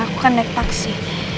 aku kan naik taksi